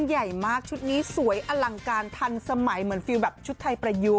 หลังการทันสมัยเหมือนฟิลด์แบบชุดไทยประยุกต์